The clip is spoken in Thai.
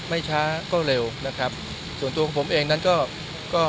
ไม่ช้าก็เร็วนะครับส่วนตัวของผมเองนั้นก็ก็